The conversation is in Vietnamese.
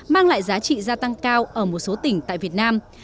mang lại giá trị gia tăng cao ở một số tỉnh tại việt nam